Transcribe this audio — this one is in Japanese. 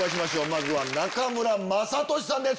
まずは中村雅俊さんです。